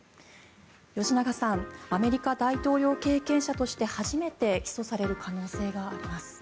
吉永さんアメリカ大統領経験者として初めて起訴される可能性があります。